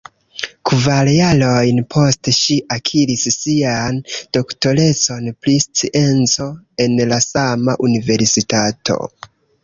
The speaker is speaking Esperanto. Kvar jarojn poste ŝi akiris sian doktorecon pri scienco en la sama universitato.